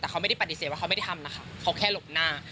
แต่เขาไม่ได้ปฏิเสธว่าเขาไม่ได้ทำนะคะเขาแค่หลบหน้า